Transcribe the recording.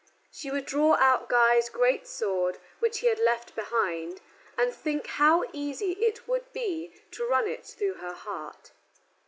She would draw out Guy's great sword, which he had left behind, and think how easy it would be to run it through her heart.